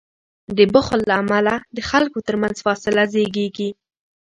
د بخل له امله د خلکو تر منځ فاصله زیږیږي.